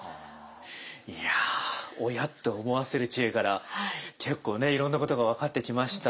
いや「おや？」と思わせる知恵から結構ねいろんなことが分かってきました。